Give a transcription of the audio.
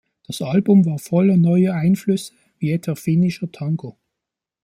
Das Album war voller neuer Einflüsse wie etwa finnischer Tango.